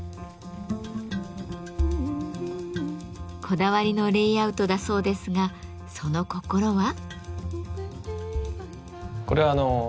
こだわりのレイアウトだそうですがその心は？